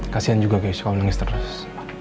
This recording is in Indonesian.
kasian juga keisha kalo nangis terus